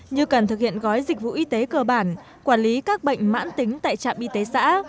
như cần thực hiện gói dịch vụ y tế cơ bản quản lý các bệnh mãn tính tại trạm y tế xã